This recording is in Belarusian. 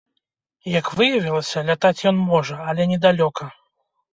Як выявілася, лятаць ён можа, але недалёка.